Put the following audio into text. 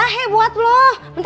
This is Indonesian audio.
nindi nanya sama rena